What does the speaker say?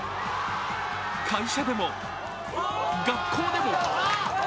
会社でも学校でも。